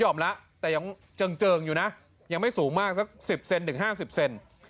ยอมแล้วแต่ยังเจิงอยู่นะยังไม่สูงมากสัก๑๐เซนติริมหรือ๕๐เซนติริม